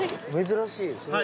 珍しいですね。